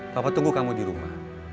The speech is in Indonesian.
papa tunggu kamu di rumah